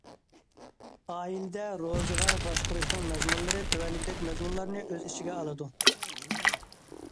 ئائىلىدە روزغار باشقۇرۇشنىڭ مەزمۇنلىرى تۆۋەندىكىدەك مەزمۇنلارنى ئۆز ئىچىگە ئالىدۇ.